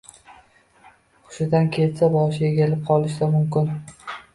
Hushidan ketsa, boshi egilib qolishi mumkin.